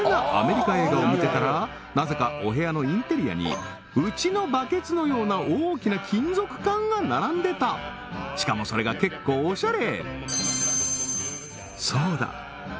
なぜかお部屋のインテリアにうちのバケツのような大きな金属缶が並んでたしかもそれが結構おしゃれ！